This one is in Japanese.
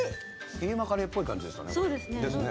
キーマカレーっぽい感じでしたね。